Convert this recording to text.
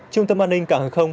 trung tâm an ninh cảng hàng không